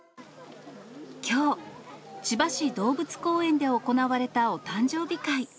きょう、千葉市動物公園で行われたお誕生日会。